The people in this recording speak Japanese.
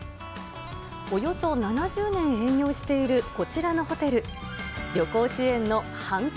およそ７０年営業している、こちらのホテル。